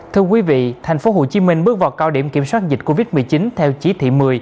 thưa quý vị thành phố hồ chí minh bước vào cao điểm kiểm soát dịch covid một mươi chín theo chí thị một mươi